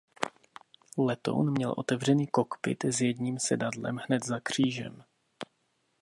Letoun měl otevřený kokpit s jedním sedadlem hned za křídlem.